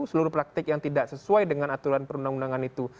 seluruh praktik yang tidak sesuai dengan aturan perundangan itu